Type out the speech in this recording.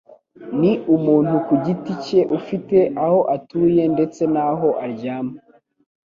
Ni umuntu ku giti cye ufite aho atuye ndetse n'aho aryama